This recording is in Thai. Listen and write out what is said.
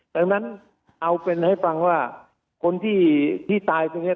ดังนั้นเอาเป็นให้ฟังว่าคนที่ตายตรงนี้